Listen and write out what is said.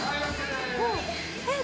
えっ！